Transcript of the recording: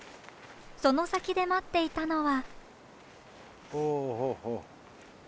その先で待っていたのは。